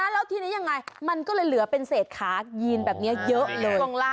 แล้วทีนี้ยังไงมันก็เลยเหลือเป็นเศษขายีนแบบนี้เยอะเลยช่วงล่าง